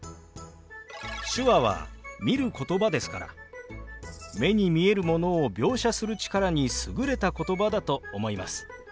手話は見ることばですから目に見えるものを描写する力に優れた言葉だと思います。